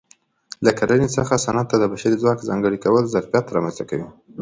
له کرنې څخه صنعت ته د بشري ځواک ځانګړي کول ظرفیت رامنځته کوي